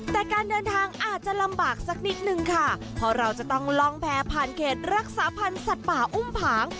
แต่การเดินทางอาจจะลำบากสักนิดนึงค่ะเพราะเราจะต้องล่องแพ้ผ่านเขตรักษาพันธ์สัตว์ป่าอุ้มผาง